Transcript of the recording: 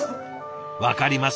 分かります？